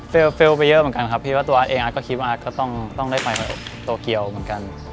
เฟลล์ไปเยอะเหมือนกันครับเพราะว่าตัวอัสเองอัสก็คิดว่าอัสก็ต้องได้ไปโตเกียลเหมือนกัน